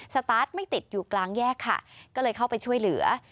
สตาร์ทไม่ติดอยู่กลางแยกค่ะก็เลยเข้าไปช่วยเหลือ